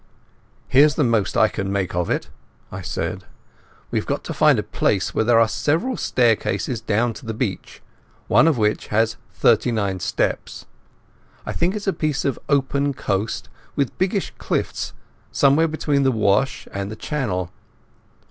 "Here's the most I can make of it," I said. "We have got to find a place where there are several staircases down to the beach, one of which has thirty nine steps. I think it's a piece of open coast with biggish cliffs, somewhere between the Wash and the Channel.